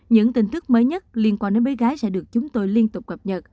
những tin tức mới nhất liên quan đến mấy gái sẽ được chúng tôi liên tục